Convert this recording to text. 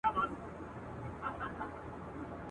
که پر مځکه ګرځېدل که په هوا وه !.